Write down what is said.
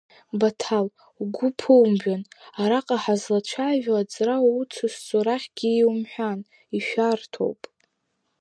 Баҭал, угәы ԥумжәан, араҟа ҳазлацәажәо аҵара уцызҵо рахьгьы иумҳәан, ишәарҭоуп.